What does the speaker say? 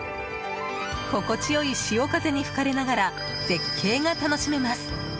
心地良い潮風に吹かれながら絶景が楽しめます。